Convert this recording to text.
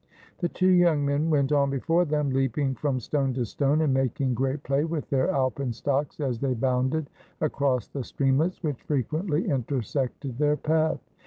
The two young men went on before them, leaping from stone to stone, and making great play with their alpenstocks as they bounded across the streamlets which frequently intersected their path.